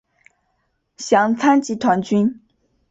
详参集团军。